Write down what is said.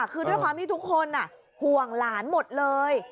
คือด้วยความที่ทุกคนห่วงหลานหมดเลย